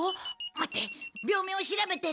待って。